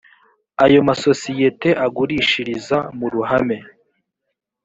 ayo masosiyete agurishiriza mu ruhame